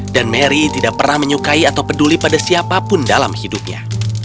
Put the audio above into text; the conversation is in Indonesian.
dan mary tidak pernah menyukai atau peduli pada siapapun dalam hidupnya